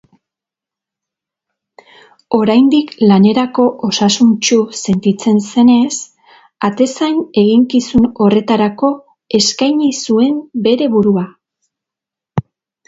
Oraindik lanerako osasuntsu sentitzen zenez, atezain eginkizun horretarako eskaini zuen bere burua.